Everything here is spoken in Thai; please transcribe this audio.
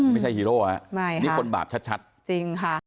ไม่ใช่ฮีโร่อ่ะนี่คนบาปชัดจริงค่ะ